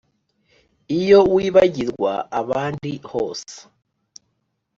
iyo wibagirwa abandi hose